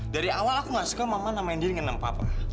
dari awal aku gak suka mama namain diri dengan nama papa